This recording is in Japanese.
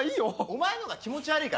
お前の方が気持ち悪い。